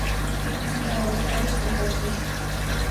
Дэгъу, сэри сыкъыбдэкӏощт.